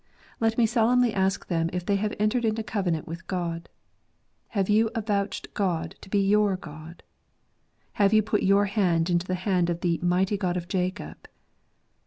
Let me solemnly ask them if they have entered into covenant with God. Have you avouched God to be your God ? Have you put your hand into the hand of "the mighty God of Jacob"?